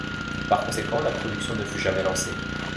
Par conséquent, la production ne fut jamais lancée.